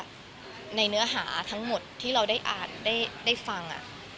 ในเนื้อหาทั้งหมดที่เราได้อ่านได้ฟัง